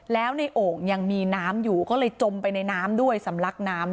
แล้วในโอ่งยังมีน้ำอยู่ก็เลยจมไปในน้ำด้วยสำลักน้ำ